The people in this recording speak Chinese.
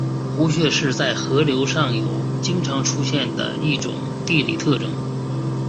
壶穴是在河流上游经常出现的一种地理特征。